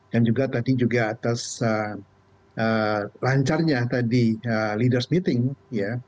dan juga tadi juga atas lancarnya tadi leaders meeting ya